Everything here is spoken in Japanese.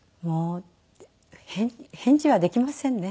返事はできませんね